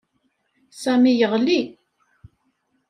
Sami yeɣli.